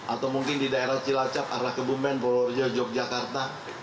atau mungkin di daerah cilacap arah kebumen purworejo yogyakarta